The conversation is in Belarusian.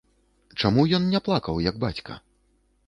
Чаму ён не плакаў, як бацька?